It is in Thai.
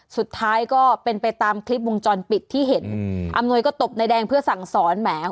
สุดท้ายก็เป็นไปตามคลิปวงจรปิดที่เห็นอืมอำนวยก็ตบนายแดงเพื่อสั่งสอนแหม